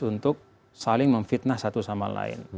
untuk saling memfitnah satu sama lain